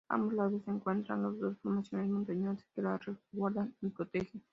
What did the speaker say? A ambos lados se encuentran las dos formaciones montañosas que la resguardan y protegen.